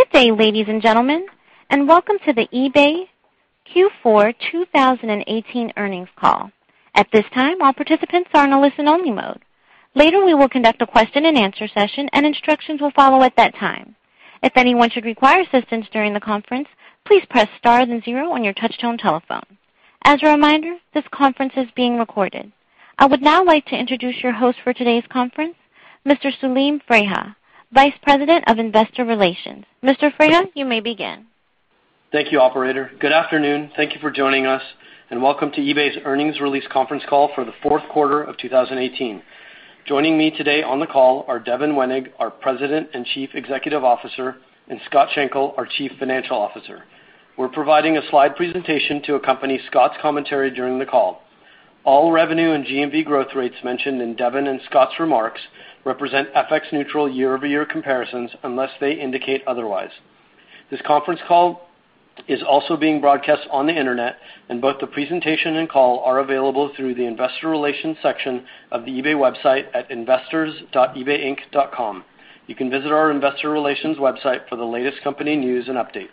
Good day, ladies and gentlemen, and welcome to the eBay Q4 2018 earnings call. At this time, all participants are in a listen-only mode. Later, we will conduct a question and answer session and instructions will follow at that time. If anyone should require assistance during the conference, please press star then zero on your touchtone telephone. As a reminder, this conference is being recorded. I would now like to introduce your host for today's conference, Mr. Selim Freiha, Vice President of Investor Relations. Mr. Freiha, you may begin. Thank you, operator. Good afternoon. Thank you for joining us, and welcome to eBay's earnings release conference call for the fourth quarter of 2018. Joining me today on the call are Devin Wenig, our President and Chief Executive Officer, and Scott Schenkel, our Chief Financial Officer. We're providing a slide presentation to accompany Scott's commentary during the call. All revenue and GMV growth rates mentioned in Devin and Scott's remarks represent FX-neutral year-over-year comparisons unless they indicate otherwise. This conference call is also being broadcast on the Internet, and both the presentation and call are available through the investor relations section of the eBay website at investors.ebayinc.com. You can visit our investor relations website for the latest company news and updates.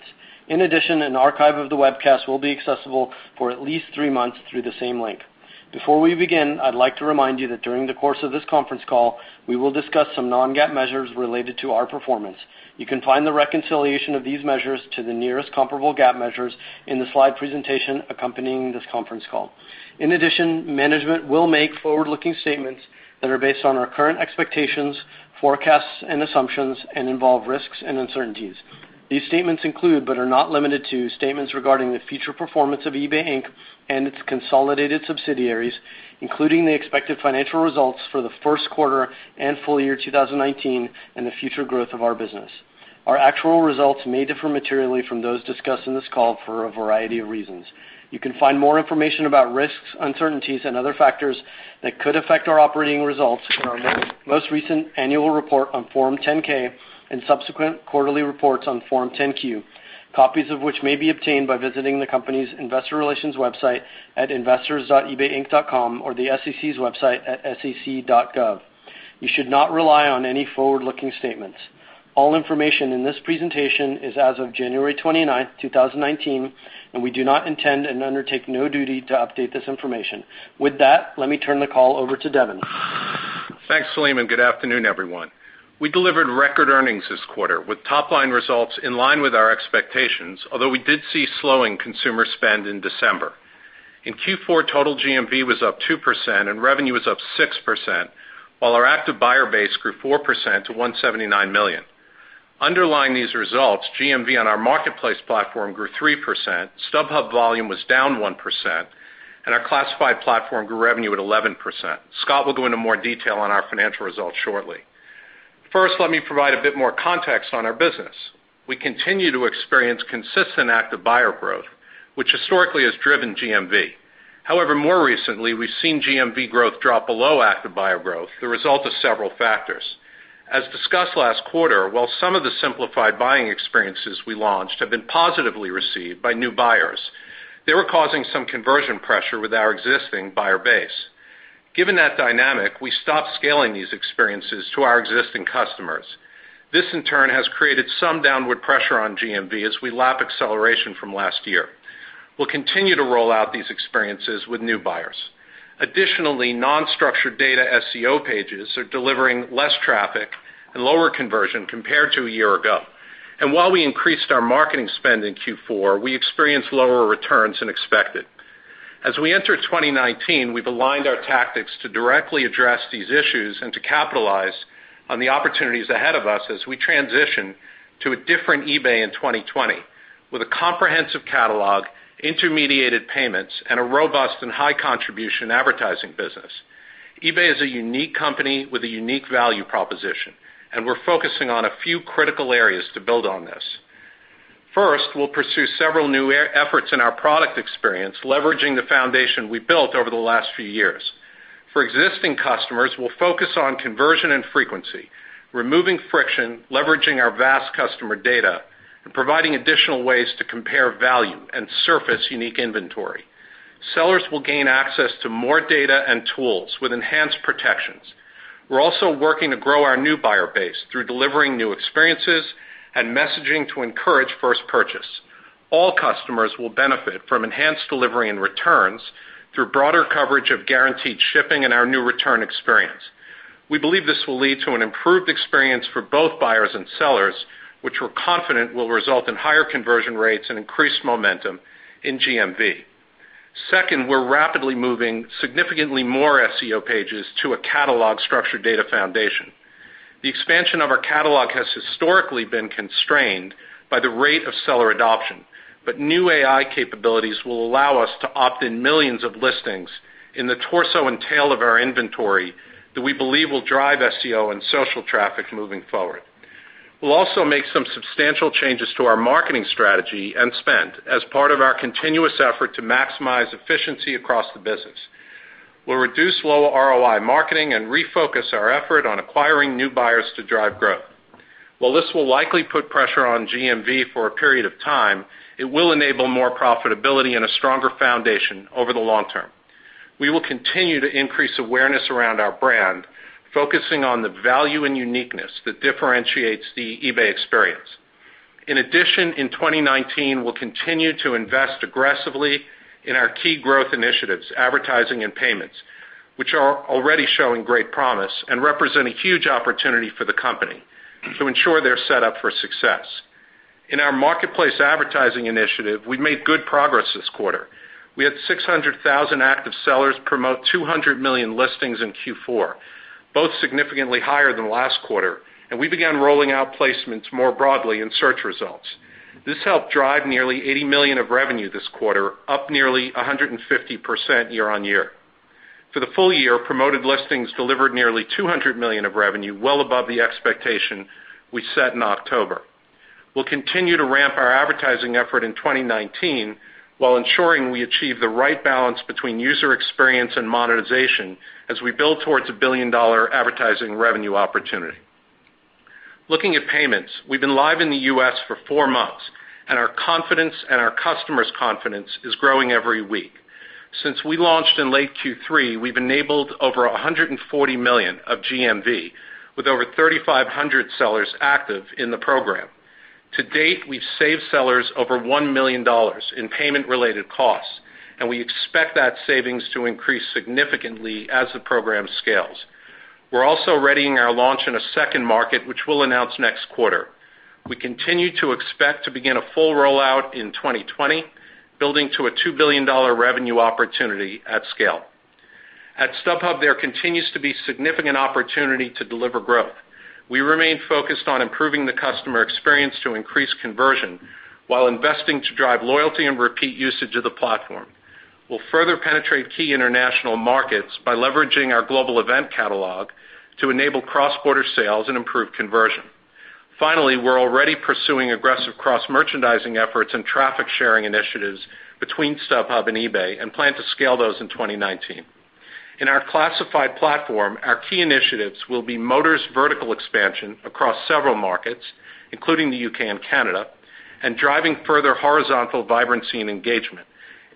In addition, an archive of the webcast will be accessible for at least three months through the same link. Before we begin, I'd like to remind you that during the course of this conference call, we will discuss some non-GAAP measures related to our performance. You can find the reconciliation of these measures to the nearest comparable GAAP measures in the slide presentation accompanying this conference call. In addition, management will make forward-looking statements that are based on our current expectations, forecasts and assumptions and involve risks and uncertainties. These statements include, but are not limited to, statements regarding the future performance of eBay Inc. and its consolidated subsidiaries, including the expected financial results for the first quarter and full year 2019 and the future growth of our business. Our actual results may differ materially from those discussed on this call for a variety of reasons. You can find more information about risks, uncertainties, and other factors that could affect our operating results for our most recent annual report on Form 10-K and subsequent quarterly reports on Form 10-Q, copies of which may be obtained by visiting the company's investor relations website at investors.ebayinc.com or the SEC's website at sec.gov. You should not rely on any forward-looking statements. All information in this presentation is as of January 29th, 2019, and we do not intend and undertake no duty to update this information. With that, let me turn the call over to Devin. Thanks, Selim, good afternoon, everyone. We delivered record earnings this quarter with top-line results in line with our expectations, although we did see slowing consumer spend in December. In Q4, total GMV was up 2% and revenue was up 6%, while our active buyer base grew 4% to 179 million. Underlying these results, GMV on our marketplace platform grew 3%, StubHub volume was down 1%, and our classified platform grew revenue at 11%. Scott will go into more detail on our financial results shortly. First, let me provide a bit more context on our business. We continue to experience consistent active buyer growth, which historically has driven GMV. However, more recently, we've seen GMV growth drop below active buyer growth, the result of several factors. As discussed last quarter, while some of the simplified buying experiences we launched have been positively received by new buyers, they were causing some conversion pressure with our existing buyer base. Given that dynamic, we stopped scaling these experiences to our existing customers. This, in turn, has created some downward pressure on GMV as we lap acceleration from last year. We'll continue to roll out these experiences with new buyers. Additionally, non-structured data SEO pages are delivering less traffic and lower conversion compared to a year ago. While we increased our marketing spend in Q4, we experienced lower returns than expected. As we enter 2019, we've aligned our tactics to directly address these issues and to capitalize on the opportunities ahead of us as we transition to a different eBay in 2020 with a comprehensive catalog, intermediated payments, and a robust and high contribution advertising business. eBay is a unique company with a unique value proposition. We're focusing on a few critical areas to build on this. First, we'll pursue several new efforts in our product experience, leveraging the foundation we built over the last few years. For existing customers, we'll focus on conversion and frequency, removing friction, leveraging our vast customer data, and providing additional ways to compare value and surface unique inventory. Sellers will gain access to more data and tools with enhanced protections. We're also working to grow our new buyer base through delivering new experiences and messaging to encourage first purchase. All customers will benefit from enhanced delivery and returns through broader coverage of guaranteed shipping and our new return experience. We believe this will lead to an improved experience for both buyers and sellers, which we're confident will result in higher conversion rates and increased momentum in GMV. Second, we're rapidly moving significantly more SEO pages to a catalog structure data foundation. The expansion of our catalog has historically been constrained by the rate of seller adoption. New AI capabilities will allow us to opt in millions of listings in the torso and tail of our inventory that we believe will drive SEO and social traffic moving forward. We'll also make some substantial changes to our marketing strategy and spend as part of our continuous effort to maximize efficiency across the business. We'll reduce low ROI marketing and refocus our effort on acquiring new buyers to drive growth. While this will likely put pressure on GMV for a period of time, it will enable more profitability and a stronger foundation over the long term. We will continue to increase awareness around our brand, focusing on the value and uniqueness that differentiates the eBay experience. In addition, in 2019, we'll continue to invest aggressively in our key growth initiatives, advertising and payments, which are already showing great promise and represent a huge opportunity for the company to ensure they're set up for success. In our marketplace advertising initiative, we've made good progress this quarter. We had 600,000 active sellers promote 200 million listings in Q4, both significantly higher than last quarter. This helped drive nearly $80 million of revenue this quarter, up nearly 150% year-on-year. For the full year, Promoted Listings delivered nearly $200 million of revenue, well above the expectation we set in October. We'll continue to ramp our advertising effort in 2019 while ensuring we achieve the right balance between user experience and monetization as we build towards a billion-dollar advertising revenue opportunity. Looking at payments, we've been live in the U.S. for four months, and our confidence and our customers' confidence is growing every week. Since we launched in late Q3, we've enabled over $140 million of GMV, with over 3,500 sellers active in the program. To date, we've saved sellers over $1 million in payment-related costs, and we expect that savings to increase significantly as the program scales. We're also readying our launch in a second market, which we'll announce next quarter. We continue to expect to begin a full rollout in 2020, building to a $2 billion revenue opportunity at scale. At StubHub, there continues to be significant opportunity to deliver growth. We remain focused on improving the customer experience to increase conversion while investing to drive loyalty and repeat usage of the platform. We'll further penetrate key international markets by leveraging our global event catalog to enable cross-border sales and improve conversion. Finally, we're already pursuing aggressive cross-merchandising efforts and traffic-sharing initiatives between StubHub and eBay and plan to scale those in 2019. In our Classifieds platform, our key initiatives will be Motors vertical expansion across several markets, including the U.K. and Canada, and driving further horizontal vibrancy and engagement,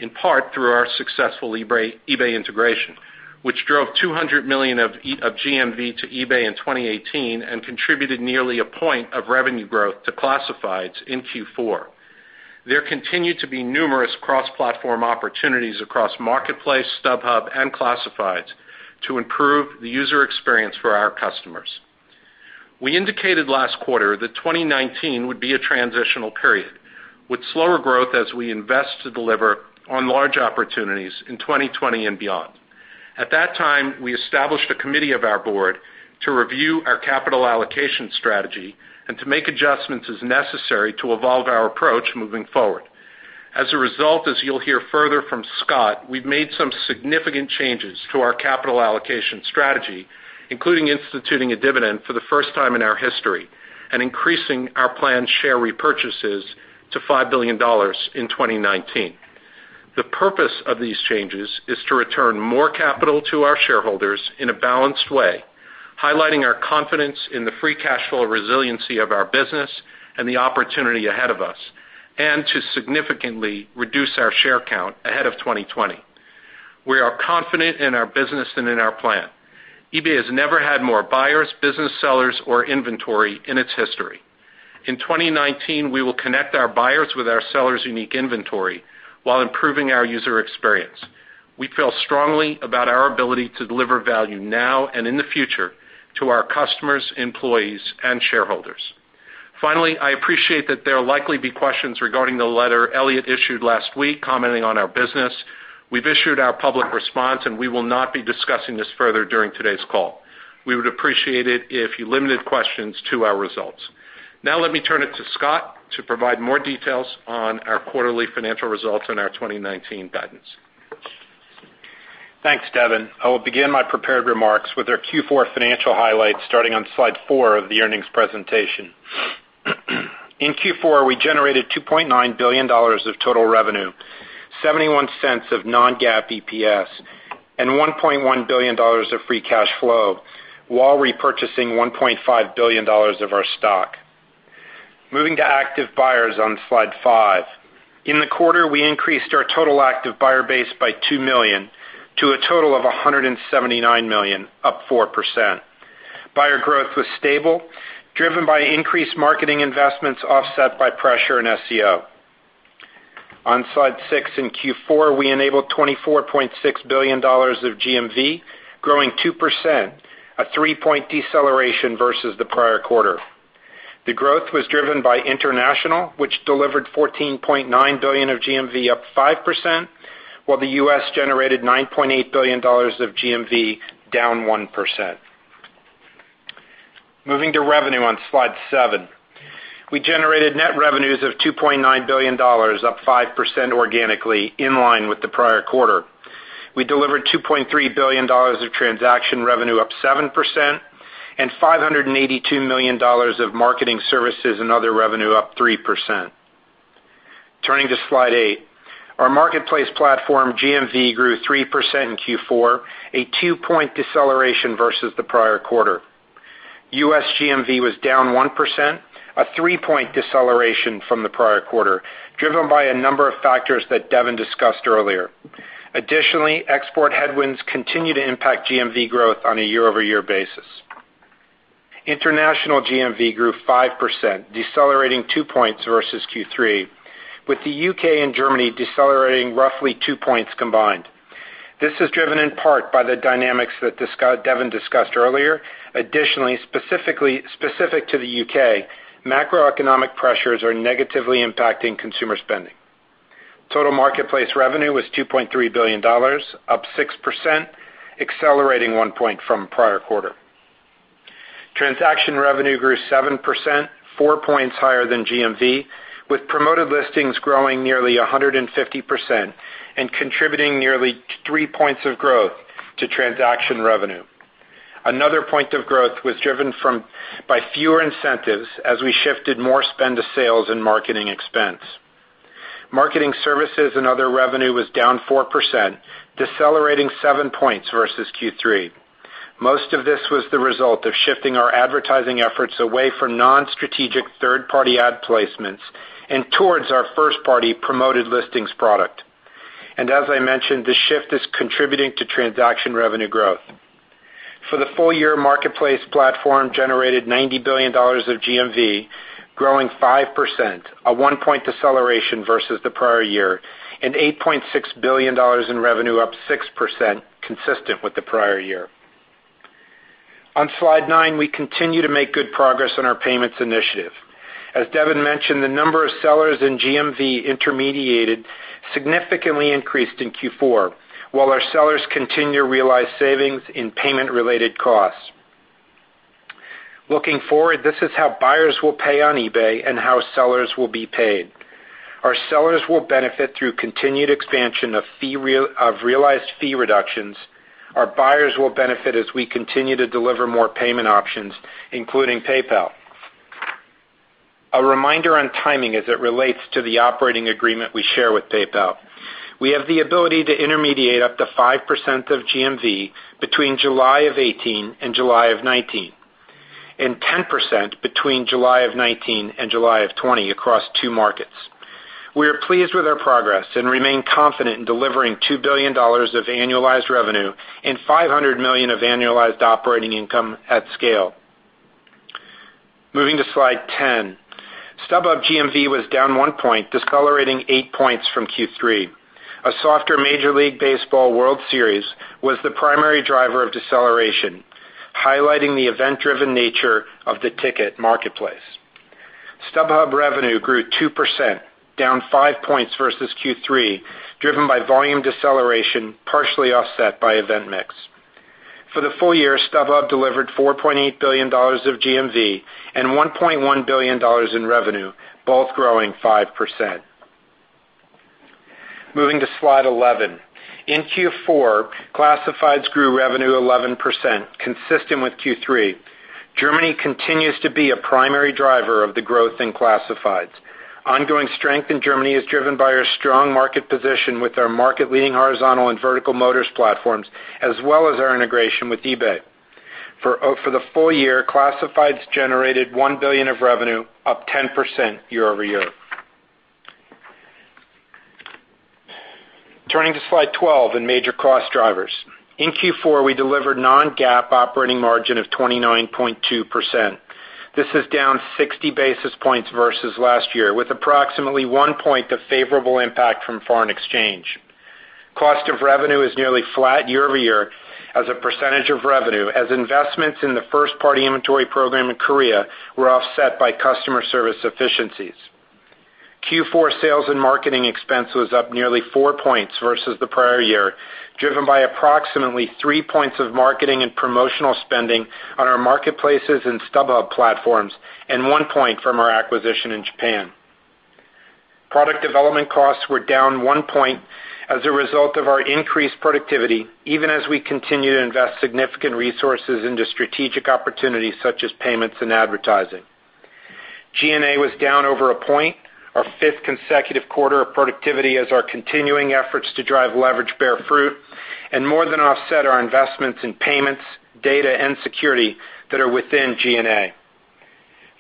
in part through our successful eBay integration, which drove $200 million of GMV to eBay in 2018 and contributed nearly a point of revenue growth to Classifieds in Q4. There continue to be numerous cross-platform opportunities across marketplace, StubHub, and Classifieds to improve the user experience for our customers. We indicated last quarter that 2019 would be a transitional period with slower growth as we invest to deliver on large opportunities in 2020 and beyond. At that time, we established a committee of our board to review our capital allocation strategy and to make adjustments as necessary to evolve our approach moving forward. As a result, as you'll hear further from Scott, we've made some significant changes to our capital allocation strategy, including instituting a dividend for the first time in our history and increasing our planned share repurchases to $5 billion in 2019. The purpose of these changes is to return more capital to our shareholders in a balanced way, highlighting our confidence in the free cash flow resiliency of our business and the opportunity ahead of us, and to significantly reduce our share count ahead of 2020. We are confident in our business and in our plan. eBay has never had more buyers, business sellers or inventory in its history. In 2019, we will connect our buyers with our sellers' unique inventory while improving our user experience. We feel strongly about our ability to deliver value now and in the future to our customers, employees, and shareholders. Finally, I appreciate that there will likely be questions regarding the letter Elliott issued last week commenting on our business. We've issued our public response, and we will not be discussing this further during today's call. We would appreciate it if you limited questions to our results. Now, let me turn it to Scott to provide more details on our quarterly financial results and our 2019 guidance. Thanks, Devin. I will begin my prepared remarks with our Q4 financial highlights, starting on slide four of the earnings presentation. In Q4, we generated $2.9 billion of total revenue, $0.71 of non-GAAP EPS, and $1.1 billion of free cash flow while repurchasing $1.5 billion of our stock. Moving to active buyers on slide five. In the quarter, we increased our total active buyer base by 2 million to a total of 179 million, up 4%. Buyer growth was stable, driven by increased marketing investments offset by pressure in SEO. On slide six, in Q4, we enabled $24.6 billion of GMV, growing 2%, a three-point deceleration versus the prior quarter. The growth was driven by international, which delivered $14.9 billion of GMV, up 5%, while the U.S. generated $9.8 billion of GMV, down 1%. Moving to revenue on slide seven. We generated net revenues of $2.9 billion, up 5% organically, in line with the prior quarter. We delivered $2.3 billion of transaction revenue, up 7%, and $582 million of marketing services and other revenue, up 3%. Turning to slide eight. Our marketplace platform GMV grew 3% in Q4, a two-point deceleration versus the prior quarter. U.S. GMV was down 1%, a three-point deceleration from the prior quarter, driven by a number of factors that Devin discussed earlier. Additionally, export headwinds continue to impact GMV growth on a year-over-year basis. International GMV grew 5%, decelerating two points versus Q3, with the U.K. and Germany decelerating roughly two points combined. This is driven in part by the dynamics that Devin discussed earlier. Additionally, specific to the U.K., macroeconomic pressures are negatively impacting consumer spending. Total marketplace revenue was $2.3 billion, up 6%, accelerating one point from prior quarter. Transaction revenue grew 7%, four points higher than GMV, with Promoted Listings growing nearly 150% and contributing nearly three points of growth to transaction revenue. Another point of growth was driven by fewer incentives as we shifted more spend to sales and marketing expense. Marketing services and other revenue was down 4%, decelerating seven points versus Q3. Most of this was the result of shifting our advertising efforts away from non-strategic third-party ad placements and towards our first-party Promoted Listings product. As I mentioned, the shift is contributing to transaction revenue growth. For the full year, marketplace platform generated $90 billion of GMV, growing 5%, a one-point deceleration versus the prior year, and $8.6 billion in revenue up 6%, consistent with the prior year. On slide 9, we continue to make good progress on our payments initiative. As Devin mentioned, the number of sellers in GMV intermediated significantly increased in Q4, while our sellers continue to realize savings in payment-related costs. Looking forward, this is how buyers will pay on eBay and how sellers will be paid. Our sellers will benefit through continued expansion of realized fee reductions. Our buyers will benefit as we continue to deliver more payment options, including PayPal. A reminder on timing as it relates to the operating agreement we share with PayPal. We have the ability to intermediate up to 5% of GMV between July of 2018 and July of 2019, and 10% between July of 2019 and July of 2020 across two markets. We are pleased with our progress and remain confident in delivering $2 billion of annualized revenue and $500 million of annualized operating income at scale. Moving to slide 10. StubHub GMV was down one point, decelerating eight points from Q3. A softer Major League Baseball World Series was the primary driver of deceleration, highlighting the event-driven nature of the ticket marketplace. StubHub revenue grew 2%, down five points versus Q3, driven by volume deceleration, partially offset by event mix. For the full year, StubHub delivered $4.8 billion of GMV and $1.1 billion in revenue, both growing 5%. Moving to slide 11. In Q4, Classifieds grew revenue 11%, consistent with Q3. Germany continues to be a primary driver of the growth in Classifieds. Ongoing strength in Germany is driven by our strong market position with our market-leading horizontal and vertical motors platforms, as well as our integration with eBay. For the full year, Classifieds generated $1 billion of revenue, up 10% year-over-year. Turning to slide 12 in major cost drivers. In Q4, we delivered non-GAAP operating margin of 29.2%. This is down 60 basis points versus last year, with approximately one point of favorable impact from foreign exchange. Cost of revenue is nearly flat year-over-year as a percentage of revenue as investments in the first-party inventory program in Korea were offset by customer service efficiencies. Q4 sales and marketing expense was up nearly four points versus the prior year, driven by approximately three points of marketing and promotional spending on our marketplaces and StubHub platforms, and one point from our acquisition in Japan. Product development costs were down one point as a result of our increased productivity, even as we continue to invest significant resources into strategic opportunities such as payments and advertising. G&A was down over a point, our fifth consecutive quarter of productivity as our continuing efforts to drive leverage bear fruit, and more than offset our investments in payments, data, and security that are within G&A.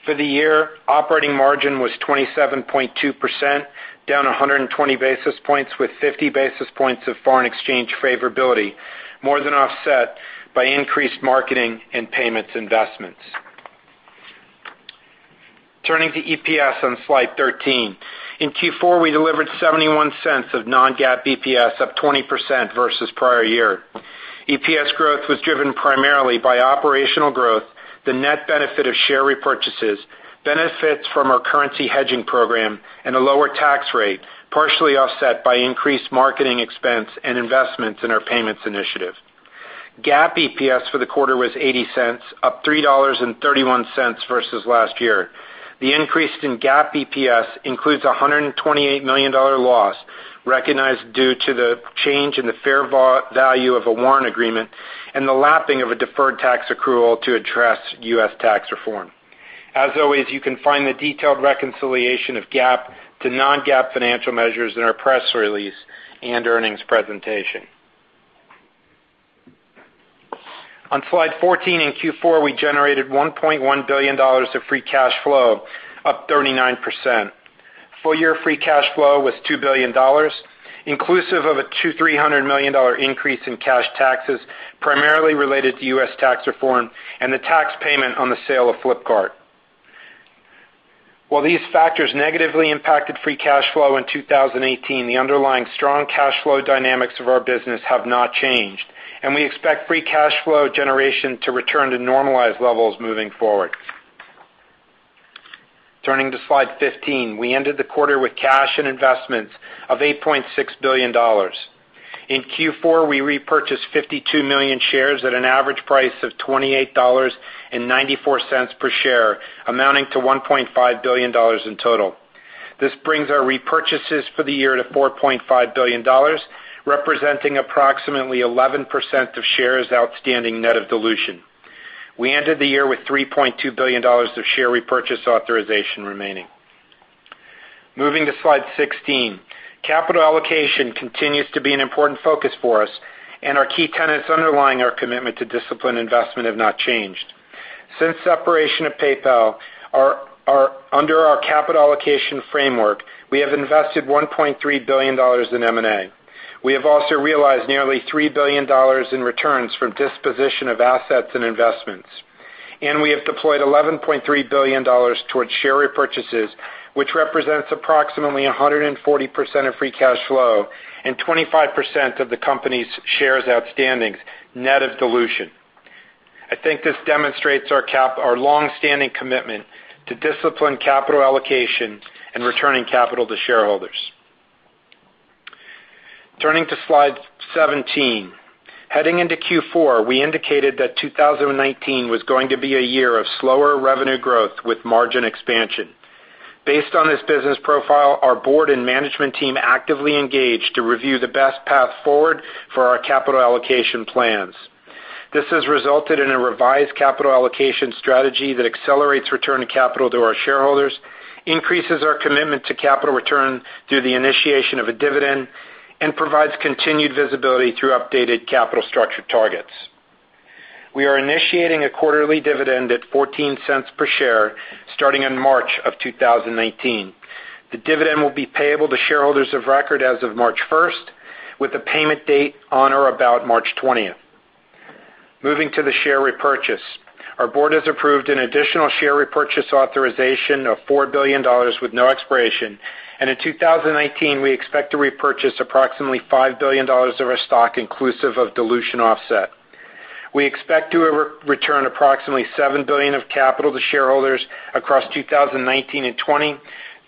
For the year, operating margin was 27.2%, down 120 basis points, with 50 basis points of foreign exchange favorability, more than offset by increased marketing and payments investments. Turning to EPS on slide 13. In Q4, we delivered $0.71 of non-GAAP EPS, up 20% versus prior year. EPS growth was driven primarily by operational growth, the net benefit of share repurchases, benefits from our currency hedging program, and a lower tax rate, partially offset by increased marketing expense and investments in our payments initiative. GAAP EPS for the quarter was $0.80, up $3.31 versus last year. The increase in GAAP EPS includes $128 million loss recognized due to the change in the fair value of a warrant agreement and the lapping of a deferred tax accrual to address U.S. tax reform. As always, you can find the detailed reconciliation of GAAP to non-GAAP financial measures in our press release and earnings presentation. On slide 14, in Q4, we generated $1.1 billion of free cash flow, up 39%. Full-year free cash flow was $2 billion, inclusive of a $200, $300 million increase in cash taxes, primarily related to U.S. tax reform and the tax payment on the sale of Flipkart. While these factors negatively impacted free cash flow in 2018, the underlying strong cash flow dynamics of our business have not changed, and we expect free cash flow generation to return to normalized levels moving forward. Turning to slide 15. We ended the quarter with cash and investments of $8.6 billion. In Q4, we repurchased 52 million shares at an average price of $28.94 per share, amounting to $1.5 billion in total. This brings our repurchases for the year to $4.5 billion, representing approximately 11% of shares outstanding net of dilution. We ended the year with $3.2 billion of share repurchase authorization remaining. Moving to slide 16. Capital allocation continues to be an important focus for us. Our key tenets underlying our commitment to disciplined investment have not changed. Since separation of PayPal, under our capital allocation framework, we have invested $1.3 billion in M&A. We have also realized nearly $3 billion in returns from disposition of assets and investments. We have deployed $11.3 billion towards share repurchases, which represents approximately 140% of free cash flow and 25% of the company's shares outstanding, net of dilution. I think this demonstrates our longstanding commitment to disciplined capital allocation and returning capital to shareholders. Turning to slide 17. Heading into Q4, we indicated that 2019 was going to be a year of slower revenue growth with margin expansion. Based on this business profile, our board and management team actively engaged to review the best path forward for our capital allocation plans. This has resulted in a revised capital allocation strategy that accelerates return of capital to our shareholders, increases our commitment to capital return through the initiation of a dividend, and provides continued visibility through updated capital structure targets. We are initiating a quarterly dividend at $0.14 per share starting in March of 2019. The dividend will be payable to shareholders of record as of March 1st, with a payment date on or about March 20th. Moving to the share repurchase. Our board has approved an additional share repurchase authorization of $4 billion with no expiration. In 2019, we expect to repurchase approximately $5 billion of our stock inclusive of dilution offset. We expect to return approximately $7 billion of capital to shareholders across 2019 and 2020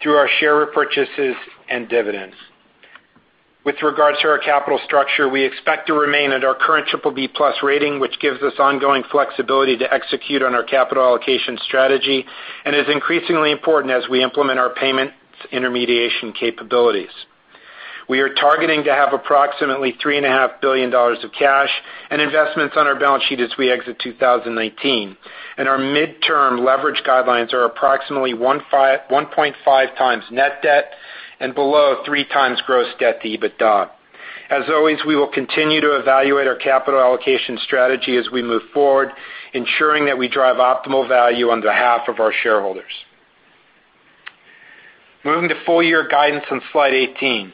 through our share repurchases and dividends. With regards to our capital structure, we expect to remain at our current BBB+ rating, which gives us ongoing flexibility to execute on our capital allocation strategy and is increasingly important as we implement our payments intermediation capabilities. We are targeting to have approximately $3.5 billion of cash and investments on our balance sheet as we exit 2019, and our midterm leverage guidelines are approximately 1.5 times net debt and below three times gross debt to EBITDA. As always, we will continue to evaluate our capital allocation strategy as we move forward, ensuring that we drive optimal value on behalf of our shareholders. Moving to full-year guidance on slide 18.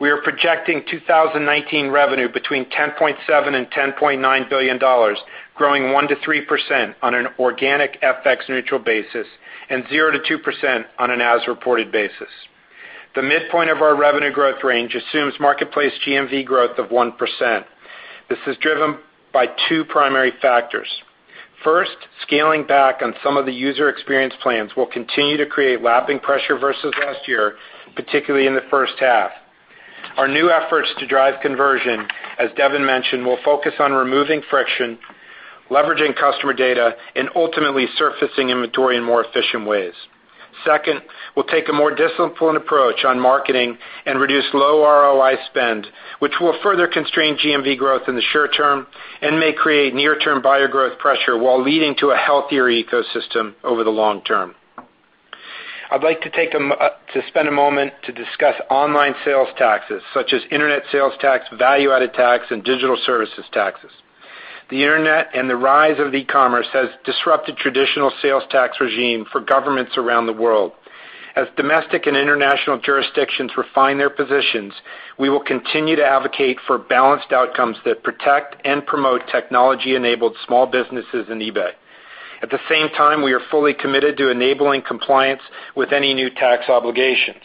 We are projecting 2019 revenue between $10.7 billion and $10.9 billion, growing 1%-3% on an organic FX-neutral basis and 0%-2% on an as-reported basis. The midpoint of our revenue growth range assumes marketplace GMV growth of 1%. This is driven by two primary factors. First, scaling back on some of the user experience plans will continue to create lapping pressure versus last year, particularly in the first half. Our new efforts to drive conversion, as Devin mentioned, will focus on removing friction, leveraging customer data, and ultimately surfacing inventory in more efficient ways. Second, we'll take a more disciplined approach on marketing and reduce low ROI spend, which will further constrain GMV growth in the short term and may create near-term buyer growth pressure while leading to a healthier ecosystem over the long term. I'd like to spend a moment to discuss online sales taxes, such as internet sales tax, value-added tax, and digital services taxes. The internet and the rise of e-commerce has disrupted traditional sales tax regime for governments around the world. As domestic and international jurisdictions refine their positions, we will continue to advocate for balanced outcomes that protect and promote technology-enabled small businesses and eBay. At the same time, we are fully committed to enabling compliance with any new tax obligations.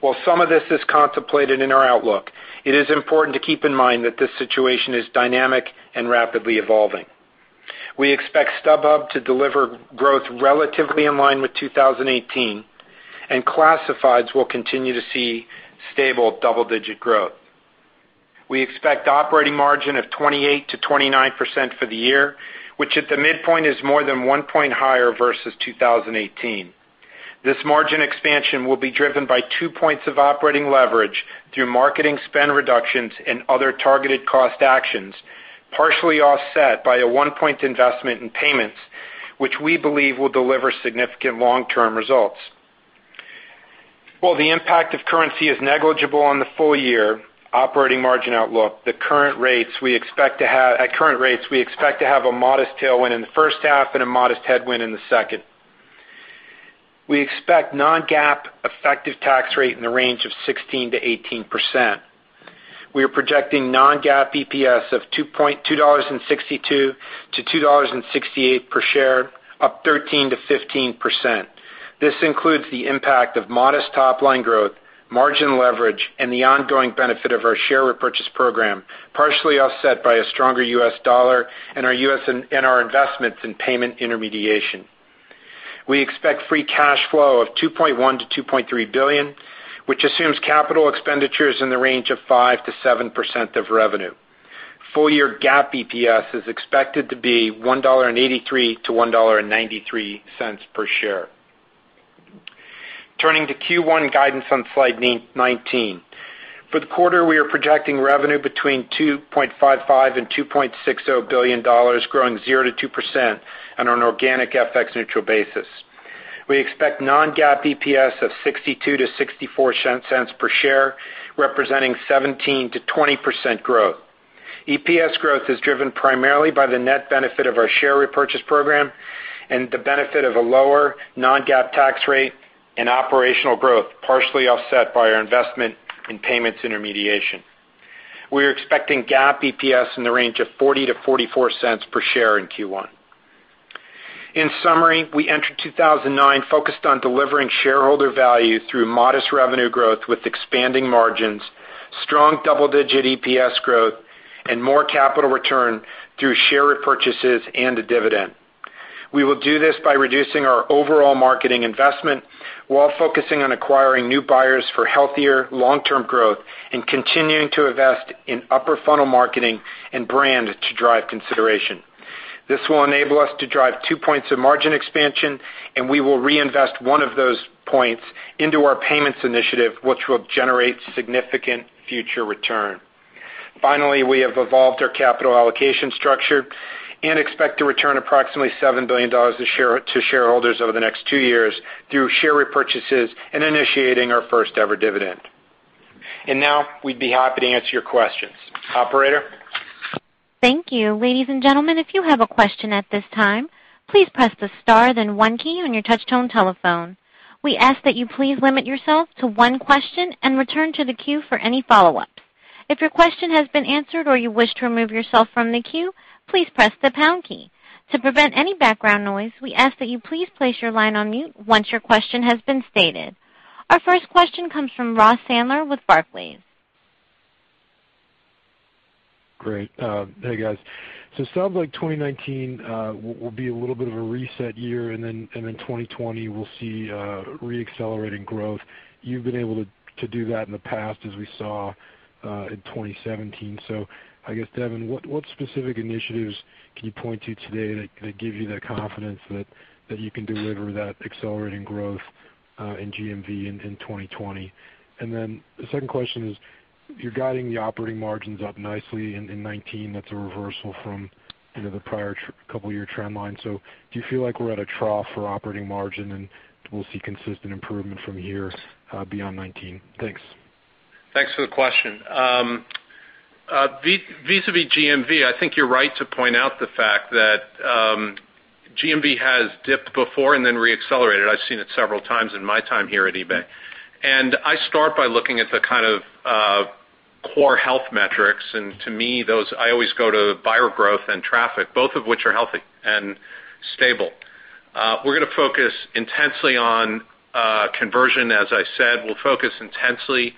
While some of this is contemplated in our outlook, it is important to keep in mind that this situation is dynamic and rapidly evolving. We expect StubHub to deliver growth relatively in line with 2018, and Classifieds will continue to see stable double-digit growth. We expect operating margin of 28%-29% for the year, which at the midpoint is more than one point higher versus 2018. This margin expansion will be driven by two points of operating leverage through marketing spend reductions and other targeted cost actions, partially offset by a one-point investment in payments, which we believe will deliver significant long-term results. The impact of currency is negligible on the full-year operating margin outlook. At current rates, we expect to have a modest tailwind in the first half and a modest headwind in the second. We expect non-GAAP effective tax rate in the range of 16%-18%. We are projecting non-GAAP EPS of $2.62 to $2.68 per share, up 13%-15%. This includes the impact of modest top-line growth, margin leverage, and the ongoing benefit of our share repurchase program, partially offset by a stronger U.S. dollar and our investments in payment intermediation. We expect free cash flow of $2.1 billion to $2.3 billion, which assumes capital expenditures in the range of 5%-7% of revenue. Full-year GAAP EPS is expected to be $1.83 to $1.93 per share. Turning to Q1 guidance on slide 19. For the quarter, we are projecting revenue between $2.55 billion and $2.60 billion, growing 0%-2% on an organic FX-neutral basis. We expect non-GAAP EPS of $0.62 to $0.64 per share, representing 17%-20% growth. EPS growth is driven primarily by the net benefit of our share repurchase program and the benefit of a lower non-GAAP tax rate and operational growth, partially offset by our investment in payments intermediation. We're expecting GAAP EPS in the range of $0.40-$0.44 per share in Q1. In summary, we entered 2019 focused on delivering shareholder value through modest revenue growth with expanding margins, strong double-digit EPS growth, and more capital return through share repurchases and a dividend. We will do this by reducing our overall marketing investment while focusing on acquiring new buyers for healthier long-term growth and continuing to invest in upper funnel marketing and brand to drive consideration. This will enable us to drive 2 points of margin expansion, and we will reinvest 1 of those points into our payments initiative, which will generate significant future return. Finally, we have evolved our capital allocation structure and expect to return approximately $7 billion to shareholders over the next 2 years through share repurchases and initiating our first-ever dividend. Now, we'd be happy to answer your questions. Operator? Thank you. Ladies and gentlemen, if you have a question at this time, please press the star then 1 key on your touch-tone telephone. We ask that you please limit yourself to 1 question and return to the queue for any follow-ups. If your question has been answered or you wish to remove yourself from the queue, please press the pound key. To prevent any background noise, we ask that you please place your line on mute once your question has been stated. Our first question comes from Ross Sandler with Barclays. Great. Hey, guys. It sounds like 2019 will be a little bit of a reset year, then in 2020, we'll see re-accelerating growth. You've been able to do that in the past, as we saw in 2017. I guess, Devin, what specific initiatives can you point to today that give you the confidence that you can deliver that accelerating growth in GMV in 2020? Then the second question is, you're guiding the operating margins up nicely in 2019. That's a reversal from the prior couple of years trend line. Do you feel like we're at a trough for operating margin, and we'll see consistent improvement from here beyond 2019? Thanks. Thanks for the question. Vis-a-vis GMV, I think you're right to point out the fact that GMV has dipped before and then re-accelerated. I've seen it several times in my time here at eBay. I start by looking at the kind of core health metrics, and to me, I always go to buyer growth and traffic, both of which are healthy and stable. We're going to focus intensely on conversion, as I said. We'll focus intensely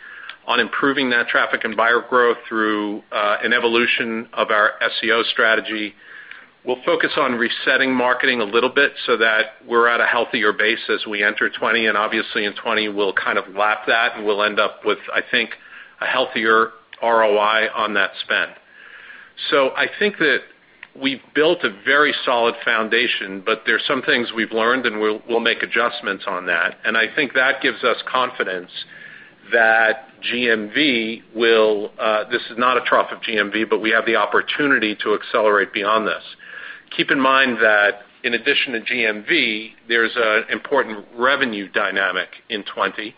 on improving that traffic and buyer growth through an evolution of our SEO strategy. We'll focus on resetting marketing a little bit so that we're at a healthier base as we enter 2020, obviously in 2020 we'll kind of lap that and we'll end up with, I think, a healthier ROI on that spend. I think that we've built a very solid foundation, but there's some things we've learned, and we'll make adjustments on that. I think that gives us confidence that this is not a trough of GMV, but we have the opportunity to accelerate beyond this. Keep in mind that in addition to GMV, there's an important revenue dynamic in 2020,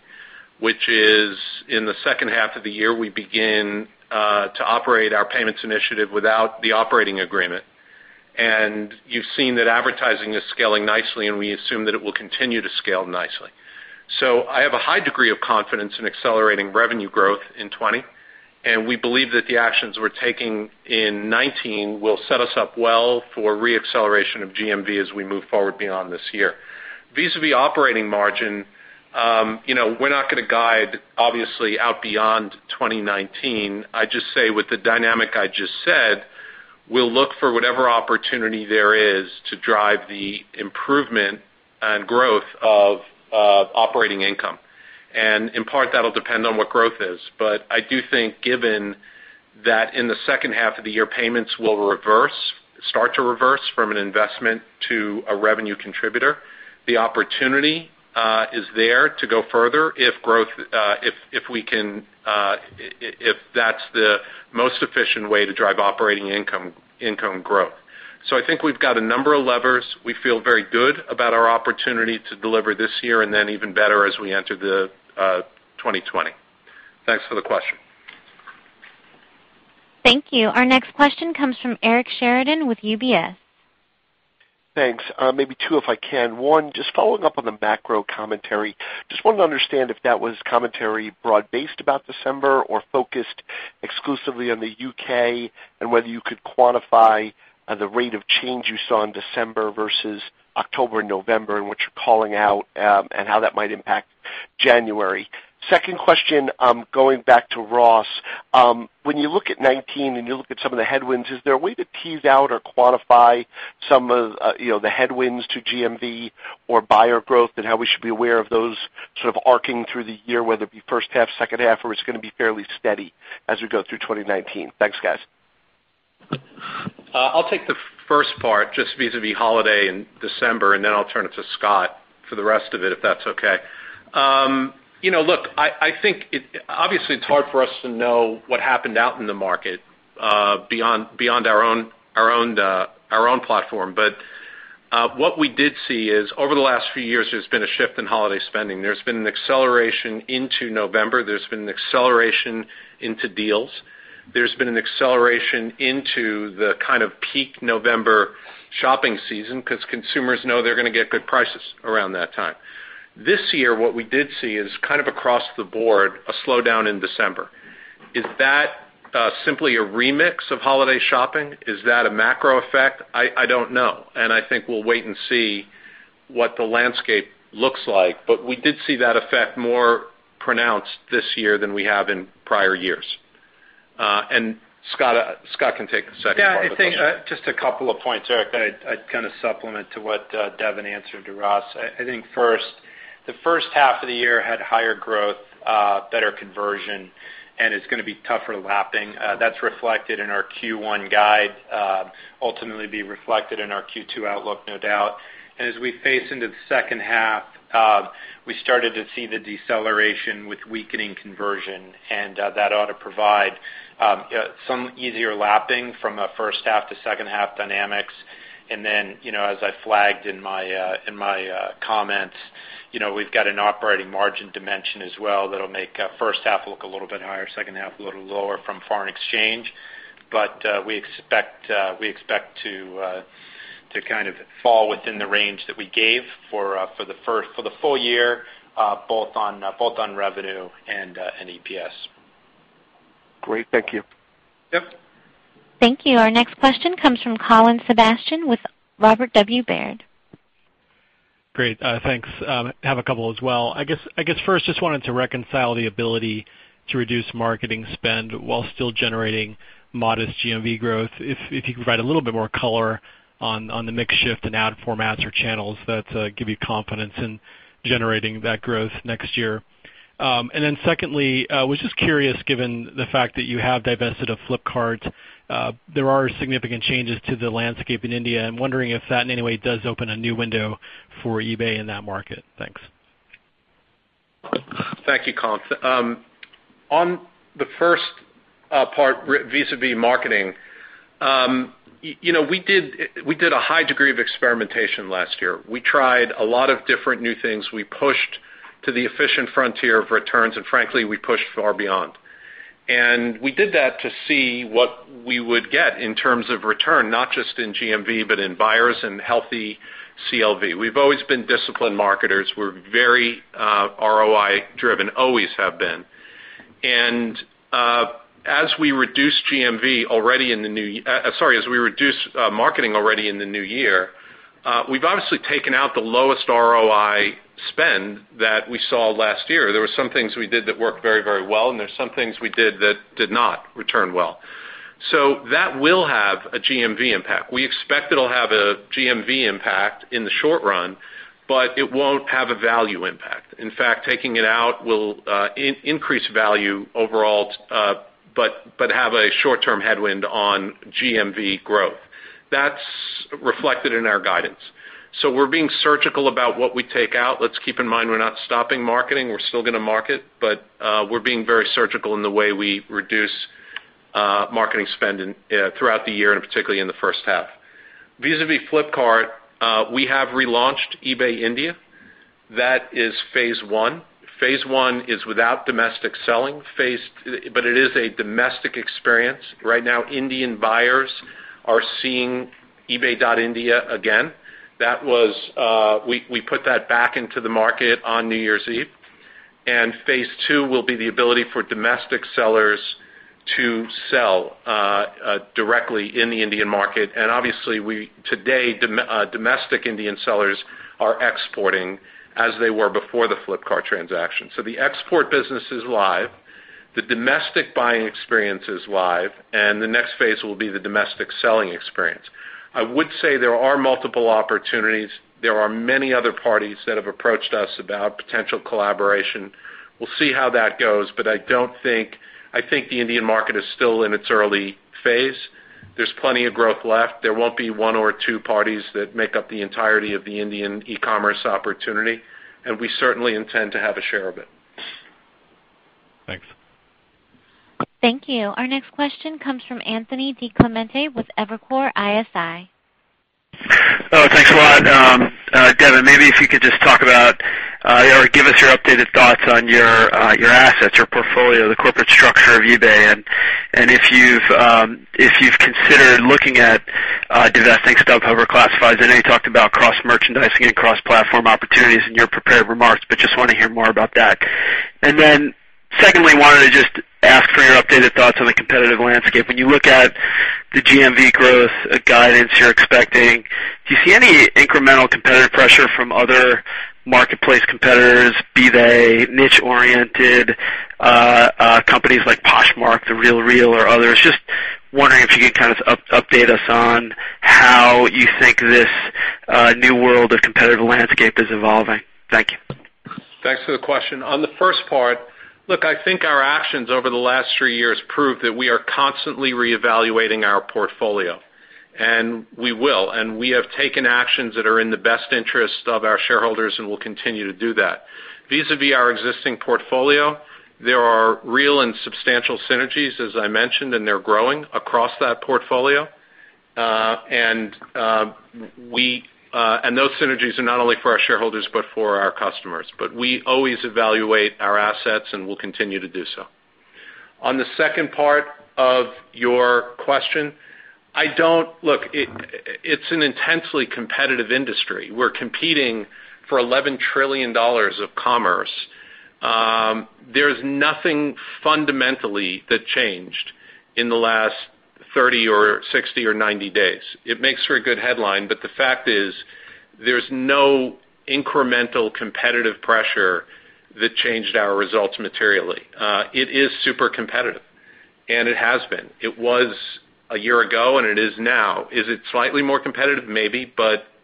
which is in the second half of the year, we begin to operate our Payments Initiative without the operating agreement. You've seen that advertising is scaling nicely, and we assume that it will continue to scale nicely. I have a high degree of confidence in accelerating revenue growth in 2020, and we believe that the actions we're taking in 2019 will set us up well for re-acceleration of GMV as we move forward beyond this year. Vis-a-vis operating margin, we're not going to guide, obviously, out beyond 2019. I'd just say with the dynamic I just said, we'll look for whatever opportunity there is to drive the improvement and growth of operating income. In part, that'll depend on what growth is. I do think given that in the second half of the year, Payments will start to reverse from an investment to a revenue contributor. The opportunity is there to go further if that's the most efficient way to drive operating income growth. I think we've got a number of levers. We feel very good about our opportunity to deliver this year and then even better as we enter the 2020. Thanks for the question. Thank you. Our next question comes from Eric Sheridan with UBS. Thanks. Maybe two, if I can. One, following up on the macro commentary. Wanted to understand if that was commentary broad-based about December, or focused exclusively on the U.K., and whether you could quantify the rate of change you saw in December versus October, November, and what you're calling out, and how that might impact January. Second question, going back to Ross. When you look at 2019 and you look at some of the headwinds, is there a way to tease out or quantify some of the headwinds to GMV or buyer growth and how we should be aware of those sort of arcing through the year, whether it be first half, second half, or it's going to be fairly steady as we go through 2019? Thanks, guys. I'll take the first part, vis-a-vis holiday in December, I'll turn it to Scott for the rest of it, if that's okay. Obviously, it's hard for us to know what happened out in the market beyond our own platform. What we did see is over the last few years, there's been a shift in holiday spending. There's been an acceleration into November. There's been an acceleration into deals. There's been an acceleration into the kind of peak November shopping season because consumers know they're going to get good prices around that time. This year, what we did see is kind of across the board, a slowdown in December. Is that simply a remix of holiday shopping? Is that a macro effect? I don't know. I think we'll wait and see what the landscape looks like. We did see that effect more pronounced this year than we have in prior years. Scott can take the second part. A couple of points, Eric, that I'd kind of supplement to what Devin answered to Ross. The first half of the year had higher growth, better conversion, it's going to be tougher lapping. That's reflected in our Q1 guide, ultimately be reflected in our Q2 outlook, no doubt. As we face into the second half, we started to see the deceleration with weakening conversion, that ought to provide some easier lapping from a first half to second half dynamics. As I flagged in my comments, we've got an operating margin dimension as well that'll make first half look a little bit higher, second half a little lower from foreign exchange. We expect to kind of fall within the range that we gave for the full year, both on revenue and EPS. Great. Thank you. Yep. Thank you. Our next question comes from Colin Sebastian with Robert W. Baird. Great. Thanks. Have a couple as well. First, just wanted to reconcile the ability to reduce marketing spend while still generating modest GMV growth. If you could provide a little bit more color on the mix shift in ad formats or channels that give you confidence in generating that growth next year. Secondly, I was just curious, given the fact that you have divested of Flipkart, there are significant changes to the landscape in India. I'm wondering if that in any way does open a new window for eBay in that market. Thanks. Thank you, Colin. On the first part vis-a-vis marketing, we did a high degree of experimentation last year. We tried a lot of different new things. We pushed to the efficient frontier of returns, and frankly, we pushed far beyond. We did that to see what we would get in terms of return, not just in GMV, but in buyers and healthy CLV. We've always been disciplined marketers. We're very ROI-driven, always have been. As we reduce marketing already in the new year, we've obviously taken out the lowest ROI spend that we saw last year. There were some things we did that worked very well, there's some things we did that did not return well. That will have a GMV impact. We expect it'll have a GMV impact in the short run, but it won't have a value impact. In fact, taking it out will increase value overall, but have a short-term headwind on GMV growth. That's reflected in our guidance. We're being surgical about what we take out. Let's keep in mind, we're not stopping marketing. We're still going to market, but we're being very surgical in the way we reduce marketing spend throughout the year, and particularly in the first half. Vis-a-vis Flipkart, we have relaunched eBay India. That is phase 1. Phase 1 is without domestic selling, but it is a domestic experience. Right now, Indian buyers are seeing eBay India again. We put that back into the market on New Year's Eve. Phase 2 will be the ability for domestic sellers to sell directly in the Indian market. Obviously, today, domestic Indian sellers are exporting as they were before the Flipkart transaction. The export business is live, the domestic buying experience is live, and the next phase will be the domestic selling experience. I would say there are multiple opportunities. There are many other parties that have approached us about potential collaboration. We'll see how that goes, but I think the Indian market is still in its early phase. There's plenty of growth left. There won't be one or two parties that make up the entirety of the Indian e-commerce opportunity, and we certainly intend to have a share of it. Thanks. Thank you. Our next question comes from Anthony DiClemente with Evercore ISI. Thanks a lot. Devin, maybe if you could just talk about, or give us your updated thoughts on your assets, your portfolio, the corporate structure of eBay, and if you've considered looking at divesting StubHub or Classifieds. I know you talked about cross-merchandising and cross-platform opportunities in your prepared remarks, but just want to hear more about that. Then secondly, wanted to just ask for your updated thoughts on the competitive landscape. When you look at the GMV growth guidance you're expecting, do you see any incremental competitive pressure from other marketplace competitors, be they niche-oriented companies like Poshmark, The RealReal, or others? Just wondering if you could kind of update us on how you think this new world of competitive landscape is evolving. Thank you. Thanks for the question. On the first part, look, I think our actions over the last three years prove that we are constantly reevaluating our portfolio, and we will, and we have taken actions that are in the best interest of our shareholders, and we'll continue to do that. Vis-a-vis our existing portfolio, there are real and substantial synergies, as I mentioned, and they're growing across that portfolio. Those synergies are not only for our shareholders but for our customers. We always evaluate our assets, and we'll continue to do so. On the second part of your question, look, it's an intensely competitive industry. We're competing for $11 trillion of commerce. There's nothing fundamentally that changed in the last 30 or 60 or 90 days. It makes for a good headline, but the fact is, there's no incremental competitive pressure that changed our results materially. It is super competitive, and it has been. It was a year ago, and it is now. Is it slightly more competitive? Maybe.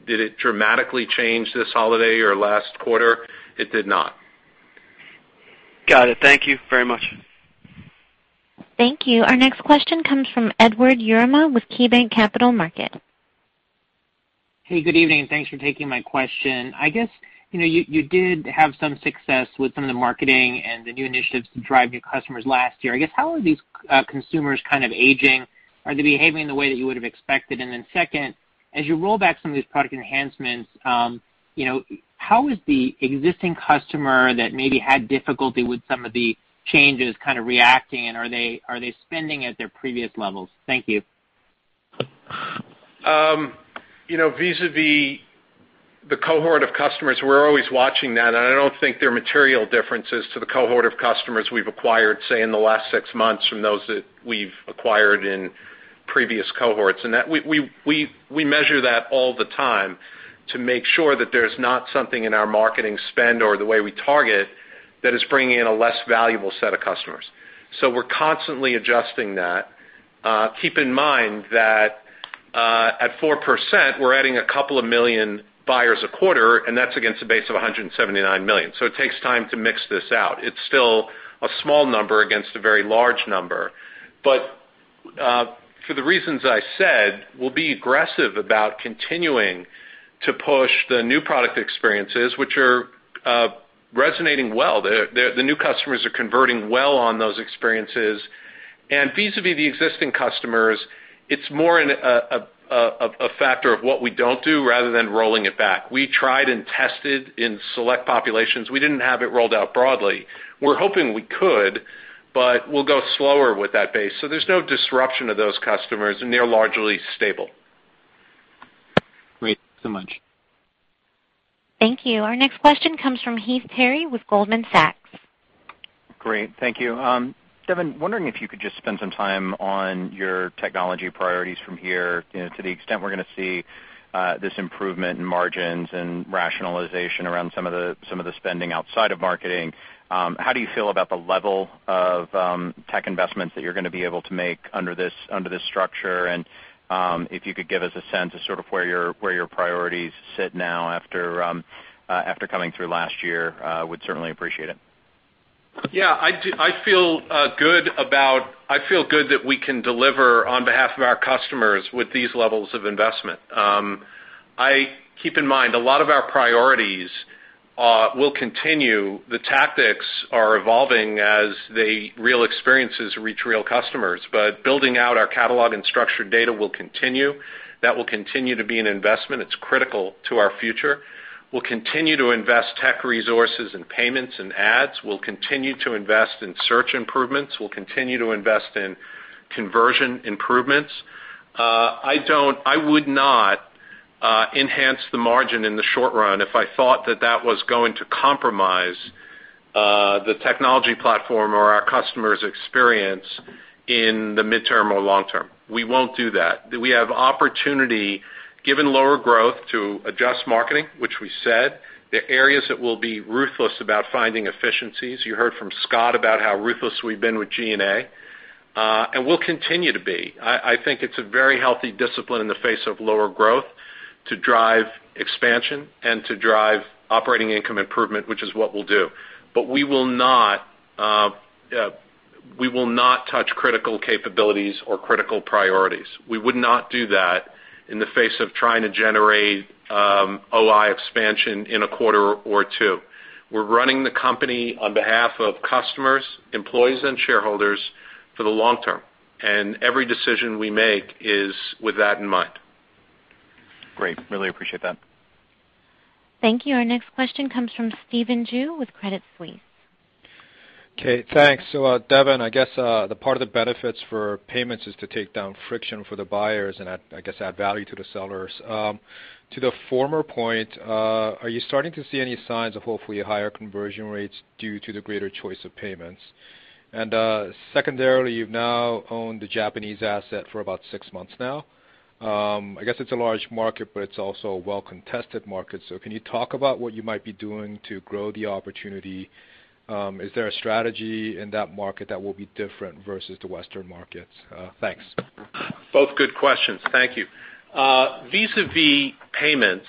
Did it dramatically change this holiday or last quarter? It did not. Got it. Thank you very much. Thank you. Our next question comes from Edward Yruma with KeyBanc Capital Markets. Good evening, and thanks for taking my question. I guess, you did have some success with some of the marketing and the new initiatives to drive new customers last year. I guess, how are these consumers kind of aging? Are they behaving the way that you would have expected? Second, as you roll back some of these product enhancements, how is the existing customer that maybe had difficulty with some of the changes kind of reacting, and are they spending at their previous levels? Thank you. Vis-a-vis the cohort of customers, we're always watching that. I don't think there are material differences to the cohort of customers we've acquired, say, in the last six months from those that we've acquired in previous cohorts. We measure that all the time to make sure that there's not something in our marketing spend or the way we target that is bringing in a less valuable set of customers. We're constantly adjusting that. Keep in mind that at 4%, we're adding a couple of million buyers a quarter, and that's against a base of 179 million. It takes time to mix this out. It's still a small number against a very large number. For the reasons I said, we'll be aggressive about continuing to push the new product experiences, which are resonating well. The new customers are converting well on those experiences. Vis-a-vis the existing customers, it's more a factor of what we don't do rather than rolling it back. We tried and tested in select populations. We didn't have it rolled out broadly. We're hoping we could. We'll go slower with that base. There's no disruption of those customers, and they're largely stable. Great. Thank you so much. Thank you. Our next question comes from Heath Terry with Goldman Sachs. Great. Thank you. Devin, wondering if you could just spend some time on your technology priorities from here to the extent we're going to see this improvement in margins and rationalization around some of the spending outside of marketing. How do you feel about the level of tech investments that you're going to be able to make under this structure? If you could give us a sense of sort of where your priorities sit now after coming through last year, would certainly appreciate it. Yeah. I feel good that we can deliver on behalf of our customers with these levels of investment. Keep in mind, a lot of our priorities will continue. The tactics are evolving as the real experiences reach real customers, building out our catalog and structured data will continue. That will continue to be an investment. It's critical to our future. We'll continue to invest tech resources in payments and ads. We'll continue to invest in search improvements. We'll continue to invest in conversion improvements. I would not enhance the margin in the short run if I thought that was going to compromise the technology platform or our customer's experience in the midterm or long term. We won't do that. We have opportunity, given lower growth, to adjust marketing, which we said. The areas that we'll be ruthless about finding efficiencies. You heard from Scott about how ruthless we've been with G&A, we'll continue to be. I think it's a very healthy discipline in the face of lower growth to drive expansion and to drive operating income improvement, which is what we'll do. We will not touch critical capabilities or critical priorities. We would not do that in the face of trying to generate OI expansion in a quarter or two. We're running the company on behalf of customers, employees, and shareholders for the long term, every decision we make is with that in mind. Great. Really appreciate that. Thank you. Our next question comes from Stephen Ju with Credit Suisse. Okay, thanks. Devin, I guess, the part of the benefits for payments is to take down friction for the buyers and I guess add value to the sellers. To the former point, are you starting to see any signs of hopefully higher conversion rates due to the greater choice of payments? Secondarily, you've now owned the Japanese asset for about six months now. I guess it's a large market, but it's also a well-contested market. Can you talk about what you might be doing to grow the opportunity? Is there a strategy in that market that will be different versus the Western markets? Thanks. Both good questions. Thank you. Vis-a-vis payments,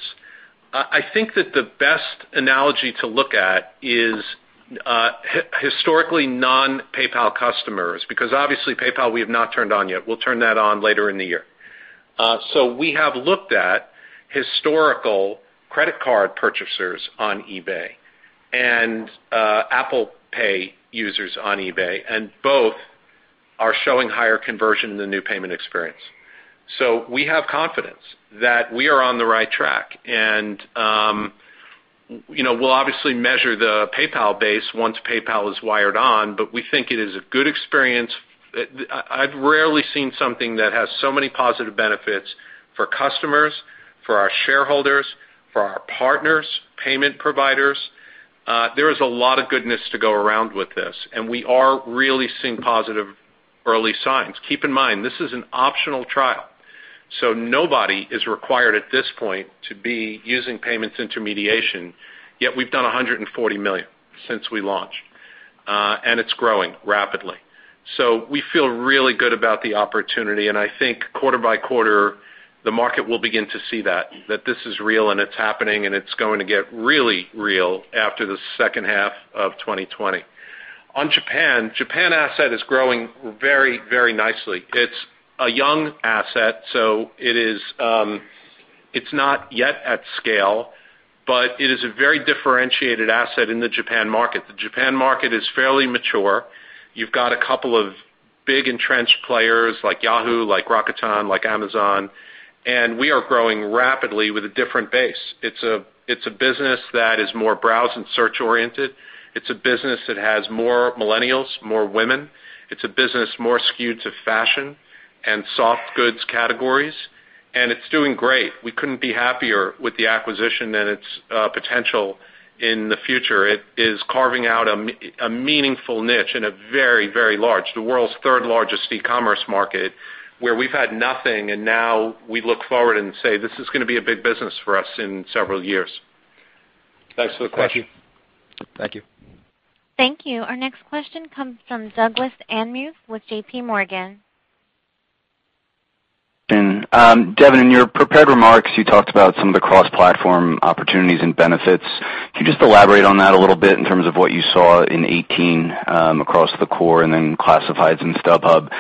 I think that the best analogy to look at is historically non-PayPal customers, because obviously PayPal, we have not turned on yet. We'll turn that on later in the year. We have looked at historical credit card purchasers on eBay and Apple Pay users on eBay, and both are showing higher conversion in the new payment experience. We have confidence that we are on the right track, and we'll obviously measure the PayPal base once PayPal is wired on, but we think it is a good experience. I've rarely seen something that has so many positive benefits for customers, for our shareholders, for our partners, payment providers. There is a lot of goodness to go around with this, and we are really seeing positive early signs. Keep in mind, this is an optional trial. Nobody is required at this point to be using payments intermediation, yet we've done $140 million since we launched. It's growing rapidly. We feel really good about the opportunity, and I think quarter by quarter, the market will begin to see that this is real and it's happening, and it's going to get really real after the second half of 2020. On Japan asset is growing very nicely. It's a young asset, so it's not yet at scale, but it is a very differentiated asset in the Japan market. The Japan market is fairly mature. You've got a couple of big entrenched players like Yahoo, like Rakuten, like Amazon, and we are growing rapidly with a different base. It's a business that is more browse and search-oriented. It's a business that has more millennials, more women. It's a business more skewed to fashion and soft goods categories, and it's doing great. We couldn't be happier with the acquisition and its potential in the future. It is carving out a meaningful niche in a very large, the world's third-largest e-commerce market, where we've had nothing. Now we look forward and say, "This is going to be a big business for us in several years." Thanks for the question. Thank you. Thank you. Our next question comes from Douglas Anmuth with J.P. Morgan. Devin, in your prepared remarks, you talked about some of the cross-platform opportunities and benefits. Can you just elaborate on that a little bit in terms of what you saw in 2018 across the core and then Classifieds and StubHub?